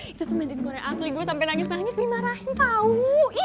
itu tuh made in korea asli gue sampe nangis nangis dimarahin tau ih